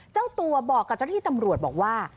เจ้าตัวบอกกับเจ้าที่ตำรวจบอกว่า